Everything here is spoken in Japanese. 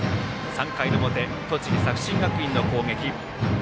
３回の表、栃木・作新学院の攻撃。